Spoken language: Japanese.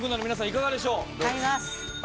いかがでしょう？